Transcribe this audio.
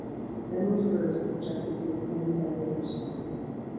Then Miss Rhodes was subjected to the same degradation.